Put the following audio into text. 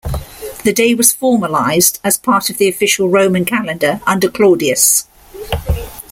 The day was formalized as part of the official Roman calendar under Claudius.